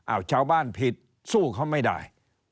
ชาวบ้านผิดสู้เขาไม่ได้